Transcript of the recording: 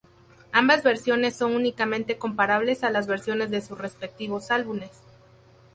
Ambas versiones son únicamente comparables a las versiones de sus respectivos álbumes.